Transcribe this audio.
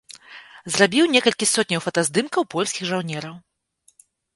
Зрабіў некалькі сотняў фотаздымкаў польскіх жаўнераў.